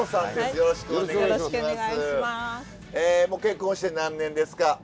もう結婚して何年ですか？